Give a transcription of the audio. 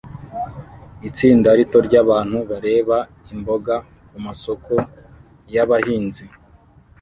Itsinda rito ryabantu bareba imboga kumasoko yabahinzi